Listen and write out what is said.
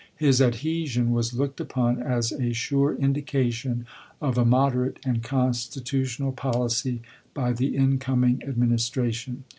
His adhesion was looked upon as a sure indication of a moder ate and constitutional policy by the incoming Ad ministration.